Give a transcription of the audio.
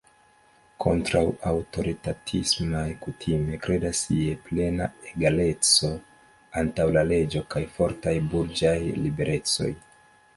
Kontraŭ-aŭtoritatismaj kutime kredas je plena egaleco antaŭ la leĝo kaj fortaj burĝaj liberecoj.